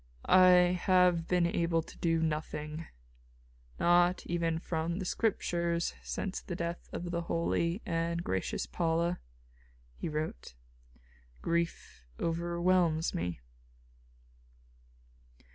"I have been able to do nothing, not even from the Scriptures, since the death of the holy and gracious Paula," he wrote. "Grief overwhelms me."